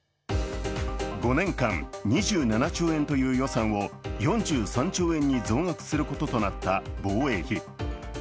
５年間２７兆円という予算を４３兆円に増額することとなった防衛費。